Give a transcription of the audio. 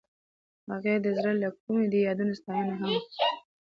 هغې د زړه له کومې د یادونه ستاینه هم وکړه.